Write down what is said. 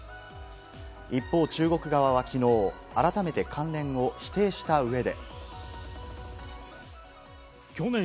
一方、中国側は昨日、改めて関連を否定した上で。